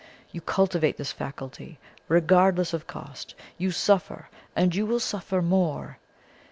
You cultivate this faculty, regardless of cost; you suffer, and you will suffer more.